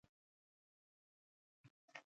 ګل له نرمو پاڼو جوړ دی.